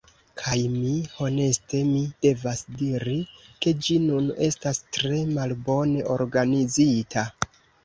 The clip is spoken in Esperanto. Kaj mi… Honeste mi devas diri, ke ĝi nun estas tre malbone organizita.